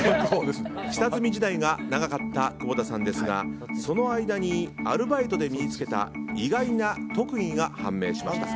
下積み時代が長かった久保田さんですがその間にアルバイトで身に着けた意外な特技が判明しました。